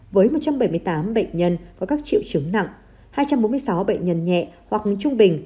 với một trăm bảy mươi tám bệnh nhân có các triệu chứng nặng hai trăm bốn mươi sáu bệnh nhân nhẹ hoặc trung bình